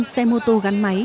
hai trăm linh xe mô tô gắn máy